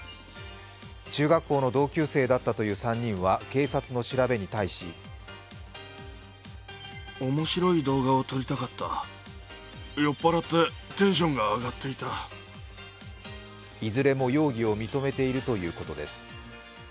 中学校の同級生だったという３人は警察の調べに対しいずれも容疑を認めているということです。